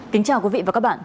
kính chào quý vị và các bạn